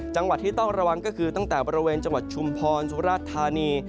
จังหวัดที่ต้องระวังก็คือตั้งแต่บริเวณจังหวัดชุมพรสุราชธานี